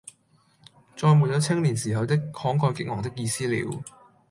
再沒有青年時候的慷慨激昂的意思了。